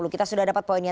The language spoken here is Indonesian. kita sudah dapat poinnya